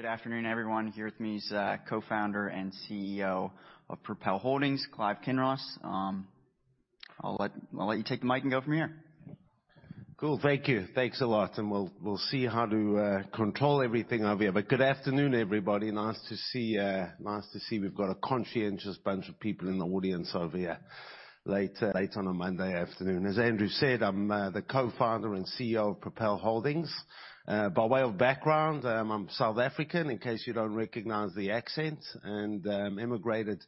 Good afternoon, everyone. Here with me is Co-founder and CEO of Propel Holdings, Clive Kinross. I'll let you take the mic and go from here. Cool. Thank you. Thanks a lot, and we'll see how to control everything over here. Good afternoon, everybody. Nice to see we've got a conscientious bunch of people in the audience over here late on a Monday afternoon. As Andrew said, I'm the Co-Founder and CEO of Propel Holdings. By way of background, I'm South African, in case you don't recognize the accent, and emigrated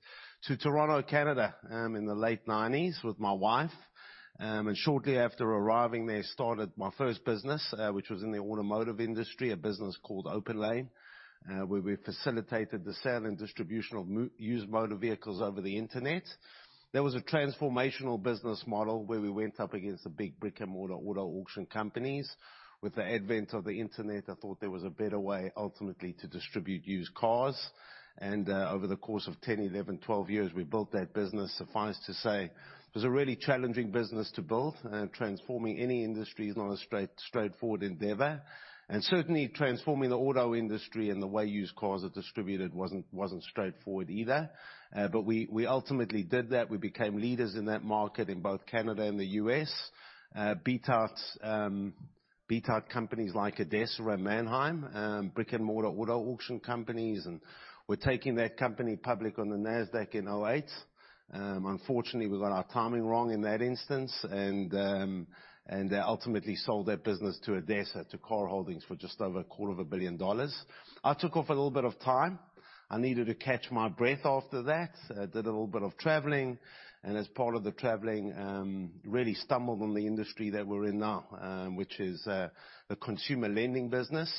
to Toronto, Canada, in the late nineties with my wife. Shortly after arriving there, I started my first business, which was in the automotive industry, a business called OPENLANE, where we facilitated the sale and distribution of used motor vehicles over the Internet. That was a transformational business model where we went up against the big brick-and-mortar auto auction companies. With the advent of the Internet, I thought there was a better way ultimately to distribute used cars and, over the course of 10, 11, 12 years, we built that business. Suffice to say it was a really challenging business to build. Transforming any industry is not a straightforward endeavor, and certainly transforming the auto industry and the way used cars are distributed wasn't straightforward either. But we ultimately did that. We became leaders in that market in both Canada and the U.S., beat out companies like ADESA or Manheim, brick-and-mortar auto auction companies. We're taking that company public on the Nasdaq in 2008. Unfortunately we got our timing wrong in that instance and ultimately sold that business to ADESA, to KAR Auction Services for just over a quarter of a billion dollars. I took off a little bit of time. I needed to catch my breath after that. I did a little bit of traveling, and as part of the traveling, really stumbled on the industry that we're in now, which is the consumer lending business.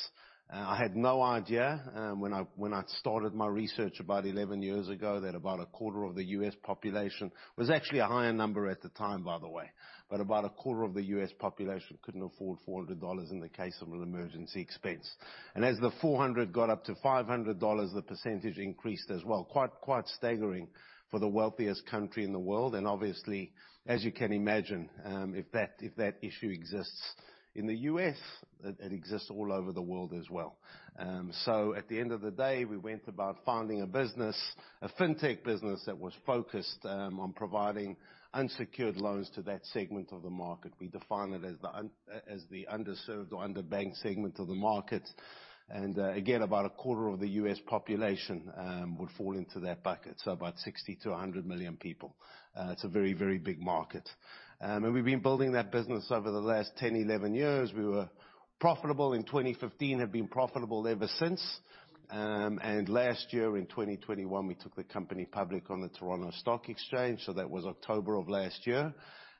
I had no idea when I started my research about 11 years ago that about a quarter of the U.S. population couldn't afford $400 in the case of an emergency expense. It was actually a higher number at the time, by the way. About a quarter of the U.S. population couldn't afford $400 in the case of an emergency expense. As the $400 got up to $500, the percentage increased as well. Quite staggering for the wealthiest country in the world and obviously, as you can imagine, if that issue exists in the U.S., it exists all over the world as well. At the end of the day, we went about finding a business, a FinTech business that was focused on providing unsecured loans to that segment of the market. We define it as the underserved or underbanked segment of the market. Again, about a quarter of the U.S. population would fall into that bucket. About 60-100 million people. It's a very big market. We've been building that business over the last 10, 11 years. We were profitable in 2015, have been profitable ever since. Last year in 2021, we took the company public on the Toronto Stock Exchange. That was October of last year.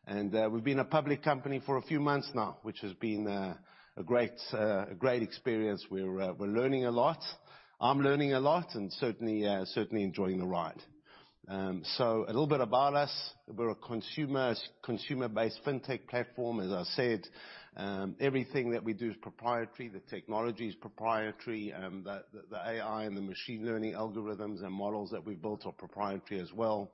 We've been a public company for a few months now, which has been a great experience. We're learning a lot. I'm learning a lot and certainly enjoying the ride. A little bit about us. We're a consumer-based FinTech platform, as I said. Everything that we do is proprietary. The technology is proprietary. The AI and the machine learning algorithms and models that we've built are proprietary as well.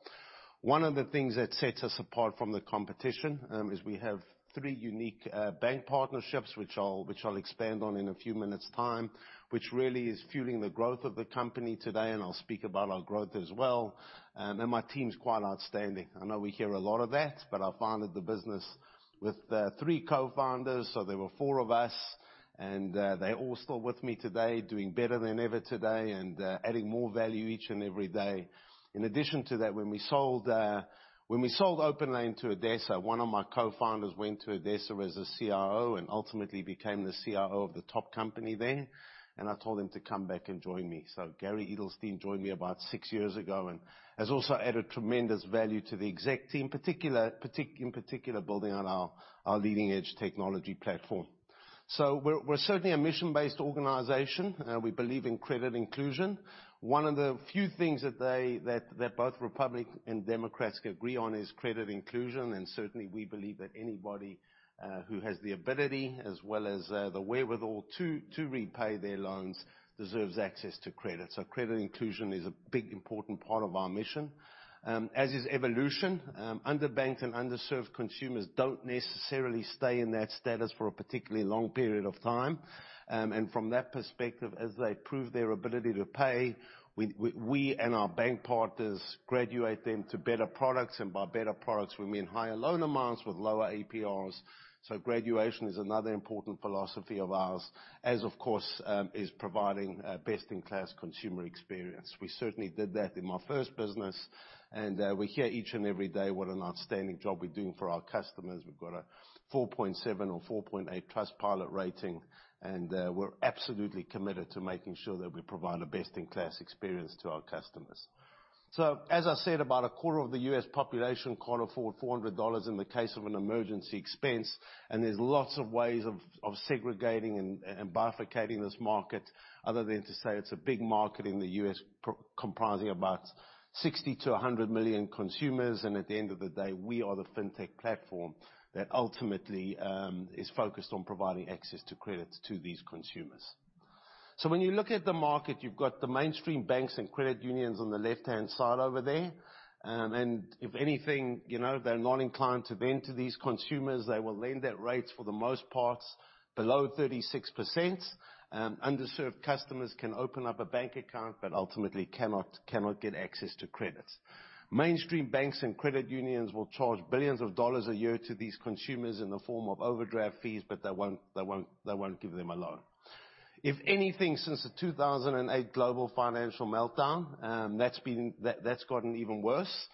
One of the things that sets us apart from the competition, is we have three unique bank partnerships, which I'll expand on in a few minutes' time, which really is fueling the growth of the company today, and I'll speak about our growth as well. My team's quite outstanding. I know we hear a lot of that, but I founded the business with three co-founders, so there were four of us and they're all still with me today, doing better than ever today and adding more value each and every day. In addition to that, when we sold OPENLANE to ADESA, one of my co-founders went to ADESA as a CIO and ultimately became the CIO of the top company there. I told him to come back and join me. Gary Edelstein joined me about six years ago and has also added tremendous value to the exec team, in particular building on our leading-edge technology platform. We're certainly a mission-based organization. We believe in credit inclusion. One of the few things that both Republicans and Democrats agree on is credit inclusion. Certainly we believe that anybody who has the ability as well as the wherewithal to repay their loans deserves access to credit. Credit inclusion is a big important part of our mission, as is evolution. Underbanked and underserved consumers don't necessarily stay in that status for a particularly long period of time. From that perspective, as they prove their ability to pay, we and our bank partners graduate them to better products. By better products we mean higher loan amounts with lower APRs. Graduation is another important philosophy of ours, as of course, is providing a best-in-class consumer experience. We certainly did that in my first business and, we hear each and every day what an outstanding job we're doing for our customers. We've got a 4.7 or 4.8 Trustpilot rating, and, we're absolutely committed to making sure that we provide a best-in-class experience to our customers. As I said, about a quarter of the U.S. population can't afford $400 in the case of an emergency expense. There's lots of ways of segregating and bifurcating this market other than to say it's a big market in the U.S. comprising about 60-100 million consumers. At the end of the day, we are the FinTech platform that ultimately is focused on providing access to credit to these consumers. When you look at the market, you've got the mainstream banks and credit unions on the left-hand side over there. If anything, you know, they're not inclined to lend to these consumers. They will lend at rates, for the most part, below 36%. Underserved customers can open up a bank account, but ultimately cannot get access to credit. Mainstream banks and credit unions will charge $ billions a year to these consumers in the form of overdraft fees, but they won't give them a loan. If anything, since the 2008 global financial meltdown, that's gotten even worse.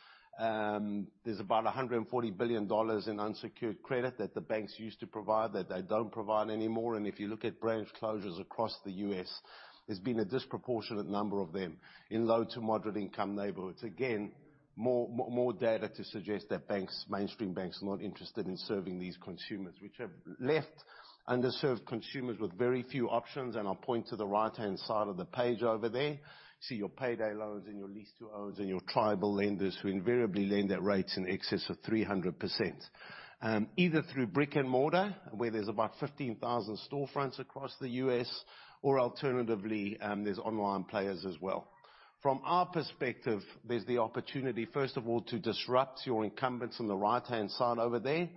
There's about $140 billion in unsecured credit that the banks used to provide that they don't provide anymore. If you look at branch closures across the U.S., there's been a disproportionate number of them in low to moderate income neighborhoods. Again, more data to suggest that banks, mainstream banks, are not interested in serving these consumers, which have left underserved consumers with very few options. I'll point to the right-hand side of the page over there. See your payday loans and your lease-to-owns and your tribal lenders, who invariably lend at rates in excess of 300%. Either through brick-and-mortar, where there's about 15,000 storefronts across the U.S., or alternatively, there's online players as well. From our perspective, there's the opportunity, first of all, to disrupt your incumbents on the right-hand side over there,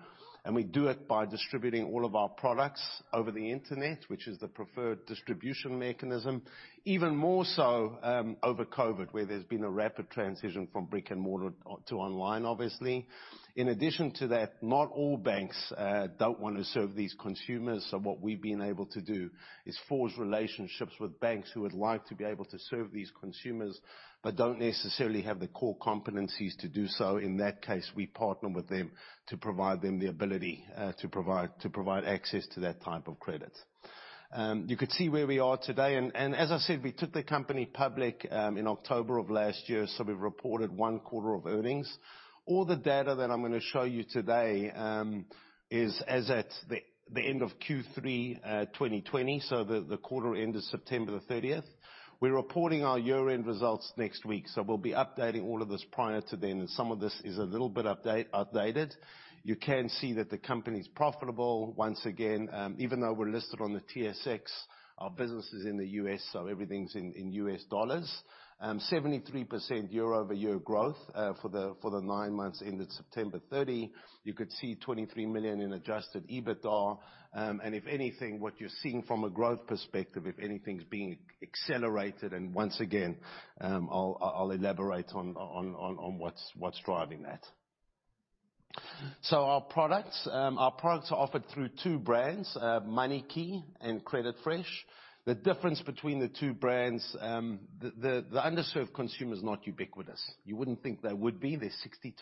and we do it by distributing all of our products over the Internet, which is the preferred distribution mechanism. Even more so over COVID, where there's been a rapid transition from brick-and-mortar to online, obviously. In addition to that, not all banks don't wanna serve these consumers. What we've been able to do is forge relationships with banks who would like to be able to serve these consumers, but don't necessarily have the core competencies to do so. In that case, we partner with them to provide them the ability to provide access to that type of credit. You could see where we are today. As I said, we took the company public in October of last year, so we've reported one quarter of earnings. All the data that I'm gonna show you today is as at the end of Q3 2020, so the quarter end of September 30. We're reporting our year-end results next week. We'll be updating all of this prior to then, and some of this is a little bit outdated. You can see that the company's profitable. Once again, even though we're listed on the TSX, our business is in the U.S., so everything's in U.S. dollars. 73% year-over-year growth for the nine months ended September 30. You could see $23 million in Adjusted EBITDA. If anything, what you're seeing from a growth perspective, if anything's being accelerated. Once again, I'll elaborate on what's driving that. Our products are offered through two brands, MoneyKey and CreditFresh. The difference between the two brands, the underserved consumer is not ubiquitous. You wouldn't think they would be. They're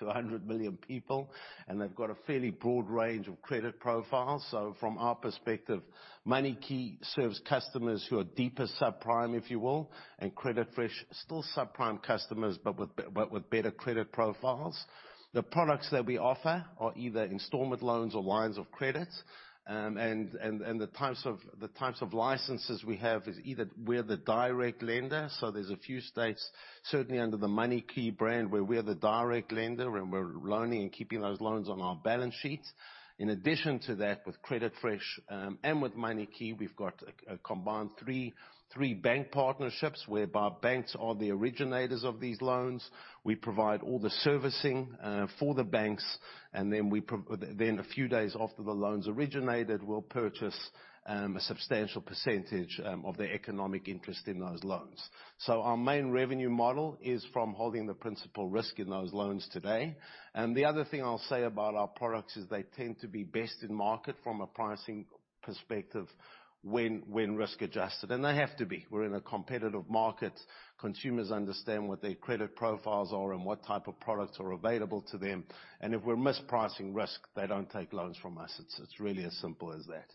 60-100 million people, and they've got a fairly broad range of credit profiles. From our perspective, MoneyKey serves customers who are deeper subprime, if you will, and CreditFresh, still subprime customers, but with better credit profiles. The products that we offer are either installment loans or lines of credit. The types of licenses we have is either we're the direct lender. There's a few states, certainly under the MoneyKey brand, where we're the direct lender, and we're loaning and keeping those loans on our balance sheet. In addition to that, with CreditFresh and with MoneyKey, we've got a combined three bank partnerships whereby banks are the originators of these loans. We provide all the servicing for the banks, and then a few days after the loan's originated, we'll purchase a substantial percentage of the economic interest in those loans. Our main revenue model is from holding the principal risk in those loans today. The other thing I'll say about our products is they tend to be best in market from a pricing perspective when risk-adjusted. They have to be. We're in a competitive market. Consumers understand what their credit profiles are and what type of products are available to them. If we're mispricing risk, they don't take loans from us. It's really as simple as that.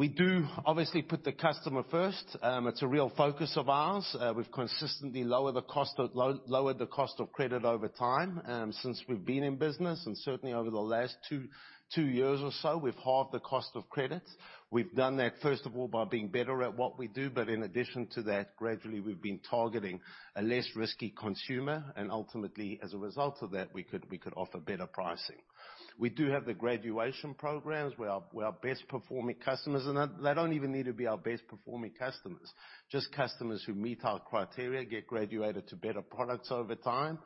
We do, obviously, put the customer first. It's a real focus of ours. We've consistently lowered the cost of credit over time, since we've been in business. Certainly over the last two years or so, we've halved the cost of credit. We've done that, first of all, by being better at what we do. In addition to that, gradually, we've been targeting a less risky consumer. Ultimately, as a result of that, we could offer better pricing. We do have the graduation programs where our best performing customers, and they don't even need to be our best performing customers, just customers who meet our criteria, get graduated to better products over time.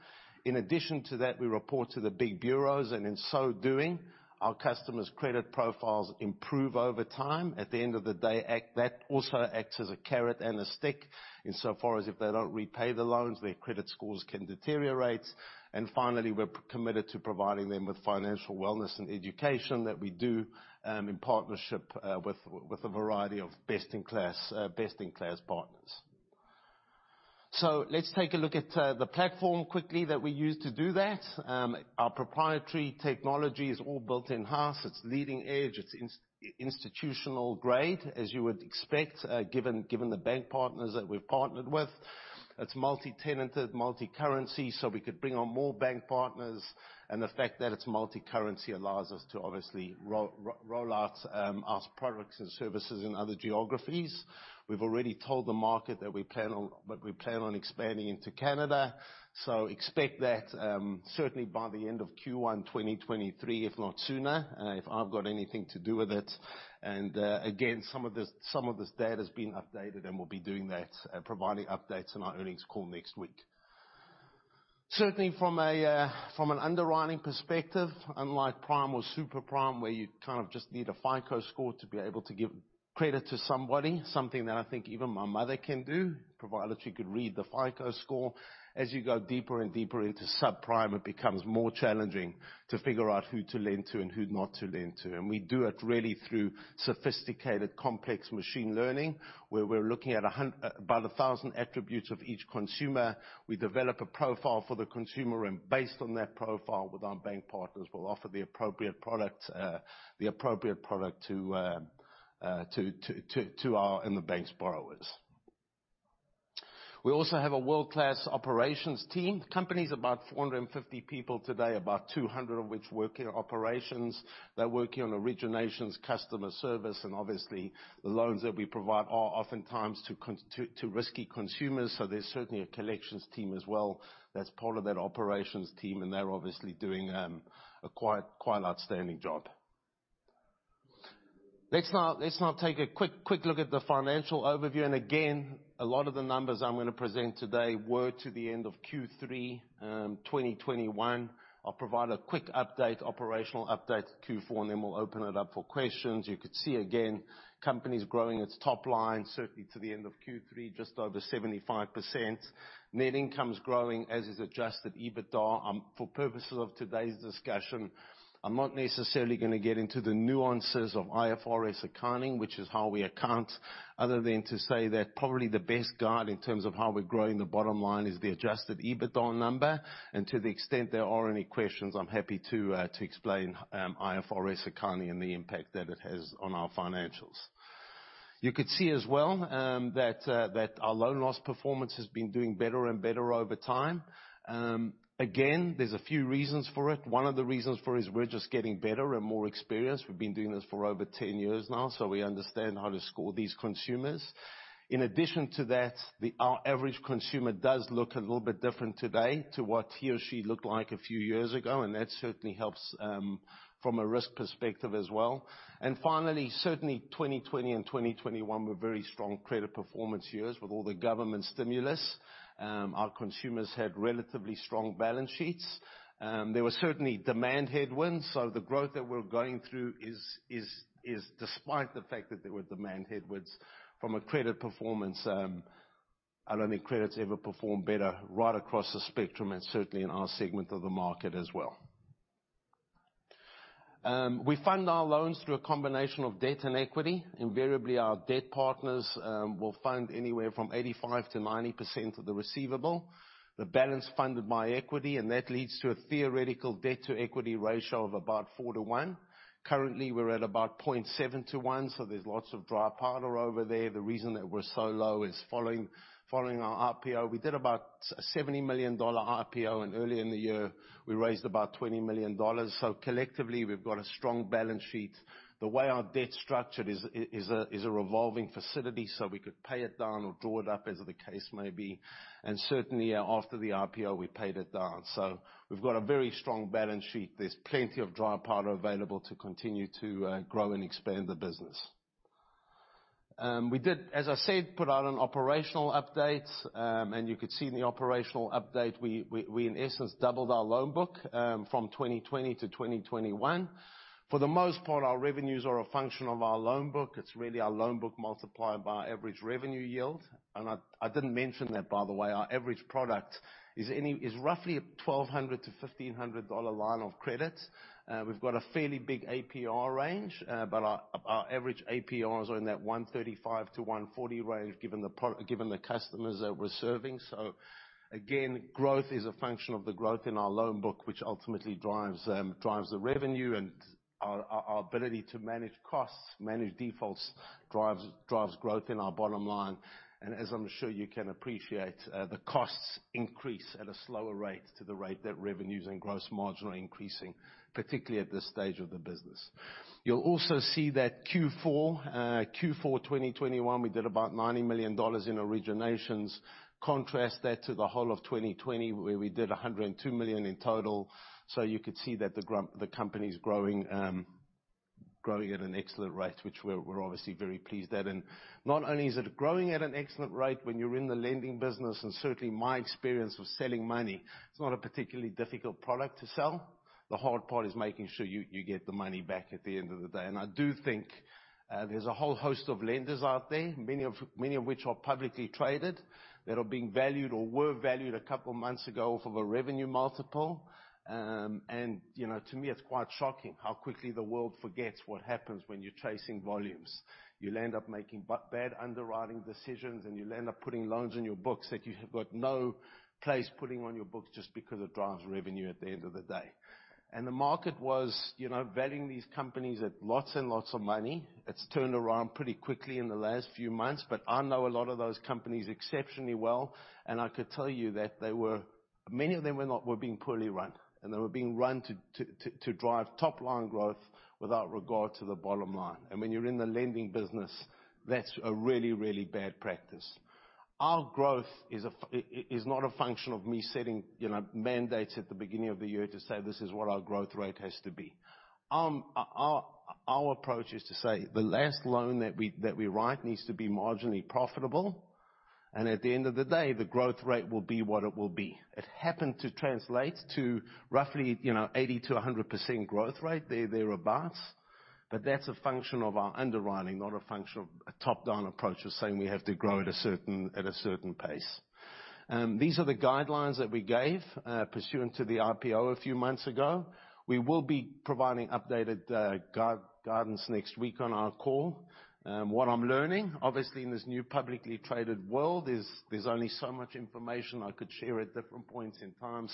In addition to that, we report to the big bureaus, and in so doing, our customers' credit profiles improve over time. At the end of the day, that also acts as a carrot and a stick, insofar as if they don't repay the loans, their credit scores can deteriorate. Finally, we're committed to providing them with financial wellness and education that we do in partnership with a variety of best-in-class partners. Let's take a look at the platform quickly that we use to do that. Our proprietary technology is all built in-house. It's leading edge. It's institutional grade, as you would expect, given the bank partners that we've partnered with. It's multi-tenanted, multi-currency, so we could bring on more bank partners. The fact that it's multi-currency allows us to obviously roll out our products and services in other geographies. We've already told the market that we plan on expanding into Canada. Expect that certainly by the end of Q1, 2023, if not sooner, if I've got anything to do with it. Again, some of this data is being updated, and we'll be doing that, providing updates in our earnings call next week. Certainly from an underwriting perspective, unlike prime or super prime, where you kind of just need a FICO score to be able to give credit to somebody, something that I think even my mother can do, provided she could read the FICO score. As you go deeper and deeper into subprime, it becomes more challenging to figure out who to lend to and who not to lend to. We do it really through sophisticated, complex machine learning, where we're looking at about 1,000 attributes of each consumer. We develop a profile for the consumer, and based on that profile with our bank partners, we'll offer the appropriate product to our and the bank's borrowers. We also have a world-class operations team. Company's about 450 people today, about 200 of which work in operations. They're working on originations, customer service, and obviously, the loans that we provide are oftentimes to risky consumers, so there's certainly a collections team as well. That's part of that operations team, and they're obviously doing a quite outstanding job. Let's now take a quick look at the financial overview. Again, a lot of the numbers I'm gonna present today were to the end of Q3, 2021. I'll provide a quick update, operational update to Q4, and then we'll open it up for questions. You can see again, company's growing its top line, certainly to the end of Q3, just over 75%. Net income's growing, as is adjusted EBITDA. For purposes of today's discussion, I'm not necessarily gonna get into the nuances of IFRS accounting, which is how we account, other than to say that probably the best guide in terms of how we're growing the bottom line is the adjusted EBITDA number. To the extent there are any questions, I'm happy to explain IFRS accounting and the impact that it has on our financials. You could see as well, that our loan loss performance has been doing better and better over time. Again, there's a few reasons for it. One of the reasons for it is we're just getting better and more experienced. We've been doing this for over 10 years now, so we understand how to score these consumers. In addition to that, our average consumer does look a little bit different today to what he or she looked like a few years ago, and that certainly helps from a risk perspective as well. Finally, certainly 2020 and 2021 were very strong credit performance years with all the government stimulus. Our consumers had relatively strong balance sheets. There were certainly demand headwinds, so the growth that we're going through is despite the fact that there were demand headwinds from a credit performance. I don't think credit's ever performed better right across the spectrum and certainly in our segment of the market as well. We fund our loans through a combination of debt and equity. Invariably, our debt partners will fund anywhere from 85%-90% of the receivable. The balance funded by equity, and that leads to a theoretical debt-to-equity ratio of about 4-to-1. Currently, we're at about 0.7-to-1, so there's lots of dry powder over there. The reason that we're so low is following our IPO. We did about $70 million IPO, and earlier in the year, we raised about $20 million. Collectively, we've got a strong balance sheet. The way our debt's structured is a revolving facility, so we could pay it down or draw it up as the case may be. Certainly, after the IPO, we paid it down. We've got a very strong balance sheet. There's plenty of dry powder available to continue to grow and expand the business. We did, as I said, put out an operational update. You could see in the operational update, we in essence doubled our loan book from 2020 to 2021. For the most part, our revenues are a function of our loan book. It's really our loan book multiplied by our average revenue yield. I didn't mention that, by the way. Our average product is roughly a $1,200-$1,500 line of credit. We've got a fairly big APR range, but our average APRs are in that 135%-140% range, given the customers that we're serving. Again, growth is a function of the growth in our loan book, which ultimately drives the revenue and our ability to manage costs, manage defaults, drives growth in our bottom line. As I'm sure you can appreciate, the costs increase at a slower rate to the rate that revenues and gross margin are increasing, particularly at this stage of the business. You'll also see that Q4 2021, we did about $90 million in originations. Contrast that to the whole of 2020, where we did $102 million in total. You could see that the company's growing at an excellent rate, which we're obviously very pleased at. Not only is it growing at an excellent rate, when you're in the lending business, and certainly my experience with selling money, it's not a particularly difficult product to sell. The hard part is making sure you get the money back at the end of the day. I do think there's a whole host of lenders out there, many of which are publicly traded, that are being valued or were valued a couple months ago off of a revenue multiple. You know, to me, it's quite shocking how quickly the world forgets what happens when you're chasing volumes. You'll end up making bad underwriting decisions, and you'll end up putting loans on your books that you have got no place putting on your books just because it drives revenue at the end of the day. The market was, you know, valuing these companies at lots and lots of money. It's turned around pretty quickly in the last few months, but I know a lot of those companies exceptionally well, and I could tell you that they were Many of them were being poorly run, and they were being run to drive top line growth without regard to the bottom line. When you're in the lending business, that's a really, really bad practice. Our growth is not a function of me setting, you know, mandates at the beginning of the year to say, "This is what our growth rate has to be." Our approach is to say, the last loan that we write needs to be marginally profitable, and at the end of the day, the growth rate will be what it will be. It happened to translate to roughly, you know, 80%-100% growth rate, thereabouts. That's a function of our underwriting, not a function of a top-down approach of saying we have to grow at a certain pace. These are the guidelines that we gave pursuant to the IPO a few months ago. We will be providing updated guidance next week on our call. What I'm learning, obviously in this new publicly traded world is, there's only so much information I could share at different points in time.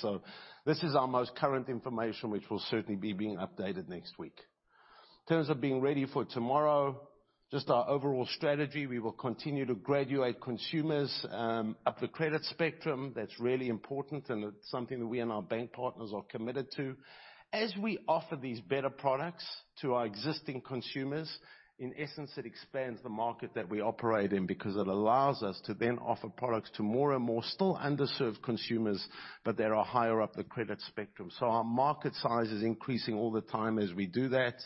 This is our most current information, which will certainly be being updated next week. In terms of being ready for tomorrow, just our overall strategy, we will continue to graduate consumers up the credit spectrum. That's really important, and it's something that we and our bank partners are committed to. As we offer these better products to our existing consumers, in essence, it expands the market that we operate in, because it allows us to then offer products to more and more still underserved consumers, but they are higher up the credit spectrum. Our market size is increasing all the time as we do that.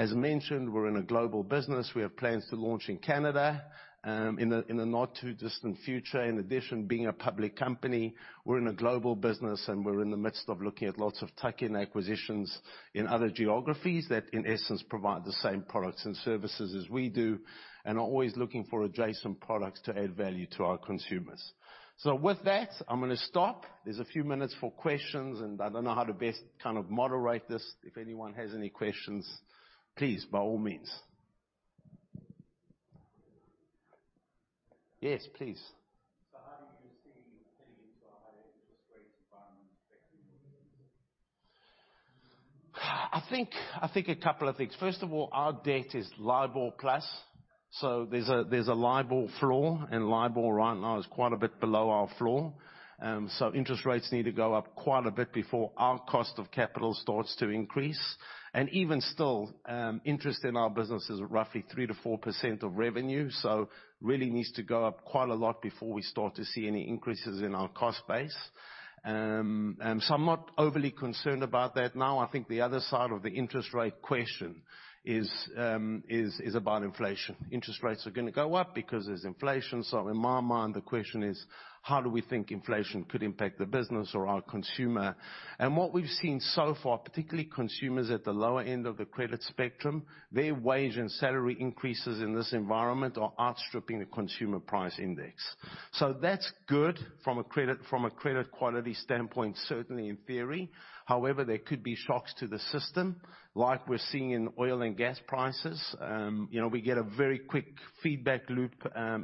As mentioned, we're in a global business. We have plans to launch in Canada, in a not too distant future. In addition, being a public company, we're in a global business and we're in the midst of looking at lots of tuck-in acquisitions in other geographies that, in essence, provide the same products and services as we do, and are always looking for adjacent products to add value to our consumers. With that, I'm gonna stop. There's a few minutes for questions, and I don't know how to best kind of moderate this. If anyone has any questions, please, by all means. Yes, please. How do you see heading into a higher interest rate environment affecting your business? I think a couple of things. First of all, our debt is LIBOR plus. So there's a LIBOR floor, and LIBOR right now is quite a bit below our floor. So interest rates need to go up quite a bit before our cost of capital starts to increase. Even still, interest expense in our business is roughly 3%-4% of revenue. Really needs to go up quite a lot before we start to see any increases in our cost base. I'm somewhat overly concerned about that now. I think the other side of the interest rate question is about inflation. Interest rates are gonna go up because there's inflation. In my mind, the question is how do we think inflation could impact the business or our consumer? What we've seen so far, particularly consumers at the lower end of the credit spectrum, their wage and salary increases in this environment are outstripping the consumer price index. That's good from a credit quality standpoint, certainly in theory. However, there could be shocks to the system, like we're seeing in oil and gas prices. We get a very quick feedback loop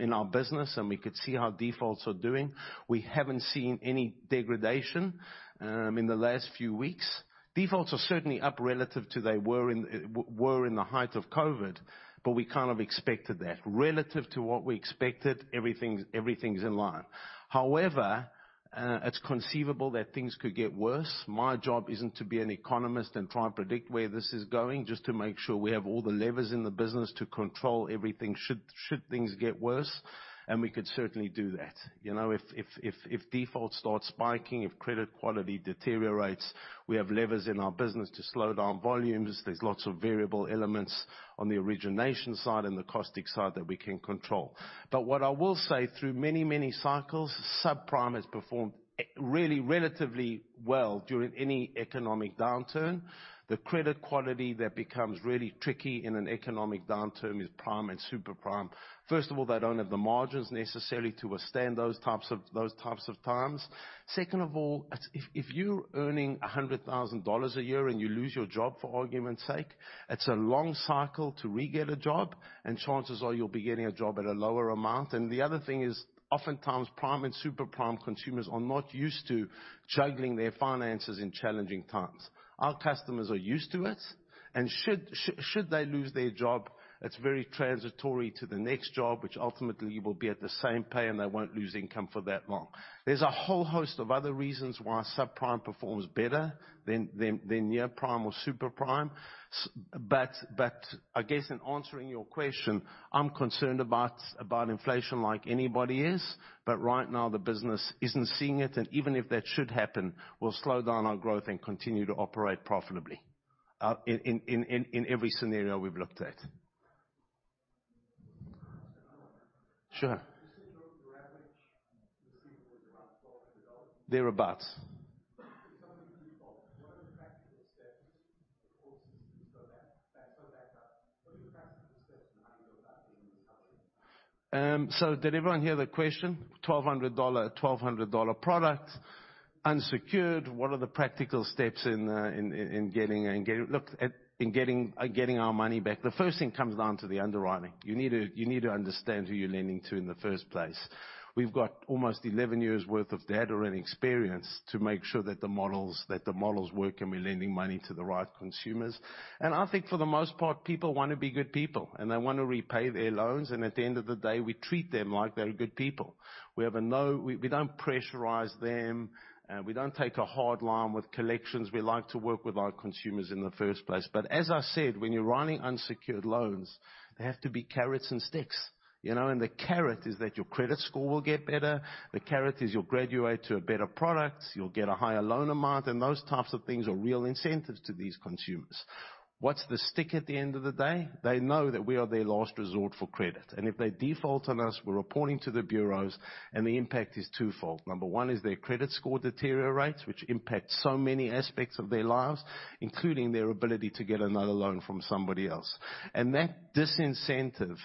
in our business, and we could see how defaults are doing. We haven't seen any degradation in the last few weeks. Defaults are certainly up relative to what they were in the height of COVID, but we kind of expected that. Relative to what we expected, everything's in line. However, it's conceivable that things could get worse. My job isn't to be an economist and try and predict where this is going, just to make sure we have all the levers in the business to control everything should things get worse, and we could certainly do that. You know, if defaults start spiking, if credit quality deteriorates, we have levers in our business to slow down volumes. There's lots of variable elements on the origination side and the caustic side that we can control. What I will say, through many, many cycles, subprime has performed really relatively well during any economic downturn. The credit quality that becomes really tricky in an economic downturn is prime and super prime. First of all, they don't have the margins necessarily to withstand those types of times. Second of all, if you're earning $100,000 a year and you lose your job, for argument's sake, it's a long cycle to re-get a job, and chances are you'll be getting a job at a lower amount. The other thing is, oftentimes, prime and super prime consumers are not used to juggling their finances in challenging times. Our customers are used to it. Should they lose their job, it's very transitory to the next job, which ultimately will be at the same pay, and they won't lose income for that long. There's a whole host of other reasons why subprime performs better than near prime or super prime. I guess in answering your question, I'm concerned about inflation like anybody is. Right now, the business isn't seeing it. Even if that should happen, we'll slow down our growth and continue to operate profitably in every scenario we've looked at. Just another one. Sure. You said your average receivable is about $400? Thereabouts. If somebody defaults, what are the practical steps? Of course, is to slow down, slow back up. What are the practical steps behind all that? So did everyone hear the question? $1,200 product unsecured. What are the practical steps in getting our money back? The first thing comes down to the underwriting. You need to understand who you're lending to in the first place. We've got almost 11 years worth of data and experience to make sure that the models work, and we're lending money to the right consumers. I think for the most part, people wanna be good people, and they wanna repay their loans, and at the end of the day, we treat them like they're good people. We don't pressurize them. We don't take a hard line with collections. We like to work with our consumers in the first place. As I said, when you're running unsecured loans, they have to be carrots and sticks, you know? The carrot is that your credit score will get better. The carrot is you'll graduate to a better product. You'll get a higher loan amount, and those types of things are real incentives to these consumers. What's the stick at the end of the day? They know that we are their last resort for credit, and if they default on us, we're reporting to the bureaus, and the impact is twofold. Number one is their credit score deteriorates, which impacts so many aspects of their lives, including their ability to get another loan from somebody else. That disincentive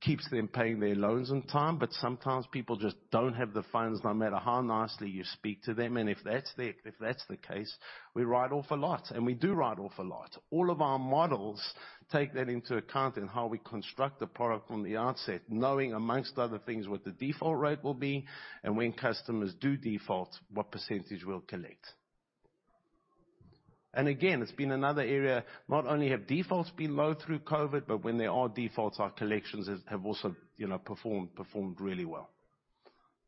keeps them paying their loans on time. Sometimes people just don't have the funds, no matter how nicely you speak to them. If that's the case, we write off a lot. We do write off a lot. All of our models take that into account in how we construct the product from the outset, knowing among other things, what the default rate will be and when customers do default, what percentage we'll collect. Again, it's been another area. Not only have defaults been low through COVID, but when there are defaults, our collections have also, you know, performed really well.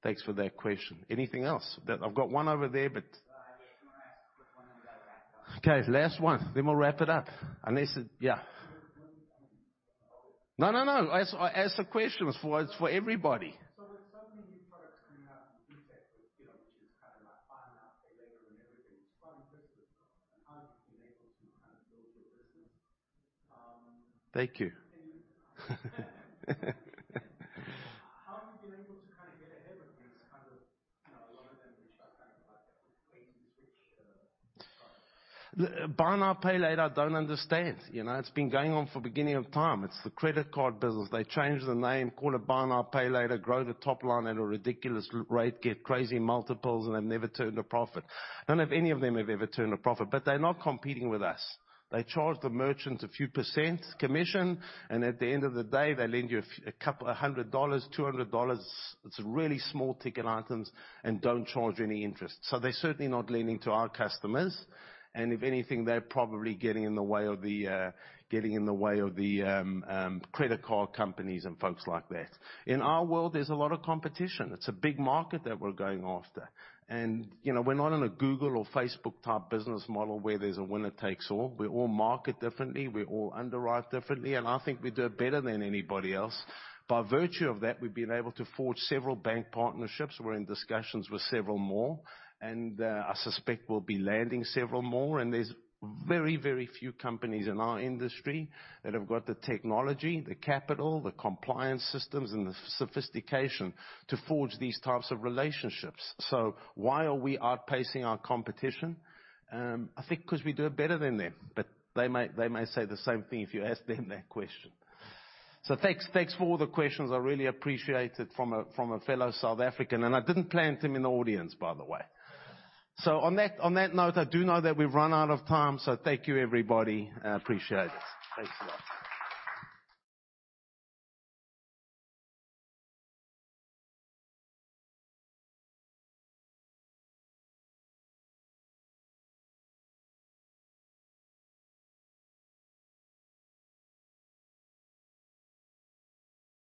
Thanks for that question. Anything else? I've got one over there, but Yeah. If you wanna ask a quick one and then go back. Okay, last one, then we'll wrap it up. Answer questions for, it's for everybody. With so many new products coming out in FinTech, with, you know, which is kind of like Buy Now, Pay Later and everything, it's quite impressive how you've been able to kind of build your business. Thank you. How have you been able to kinda get ahead of these kind of, you know, a lot of them which are kind of like the quick, easy switch products? Buy Now, Pay Later, I don't understand, you know. It's been going on from the beginning of time. It's the credit card business. They change the name, call it Buy Now, Pay Later, grow the top line at a ridiculous rate, get crazy multiples, and they've never turned a profit. None of any of them have ever turned a profit, but they're not competing with us. They charge the merchants a few percent commission, and at the end of the day, they lend you $100, $200. It's really small ticket items and don't charge any interest. So they're certainly not lending to our customers, and if anything, they're probably getting in the way of the credit card companies and folks like that. In our world, there's a lot of competition. It's a big market that we're going after. You know, we're not in a Google or Facebook type business model where there's a winner takes all. We all market differently. We all underwrite differently. I think we do it better than anybody else. By virtue of that, we've been able to forge several bank partnerships. We're in discussions with several more, and I suspect we'll be landing several more. There's very, very few companies in our industry that have got the technology, the capital, the compliance systems, and the sophistication to forge these types of relationships. Why are we outpacing our competition? I think 'cause we do it better than them, but they may say the same thing if you ask them that question. Thanks for all the questions. I really appreciate it from a fellow South African, and I didn't plant him in the audience, by the way. On that note, I do know that we've run out of time, so thank you, everybody. I appreciate it. Thanks a lot.